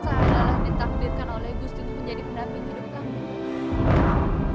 saya adalah ditakdirkan oleh gusti untuk menjadi pendamping hidup kamu